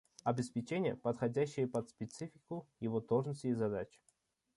Обеспечение, подходящее под специфику его должности и задач